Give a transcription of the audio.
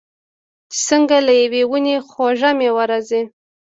چې څنګه له یوې ونې خوږه میوه راځي.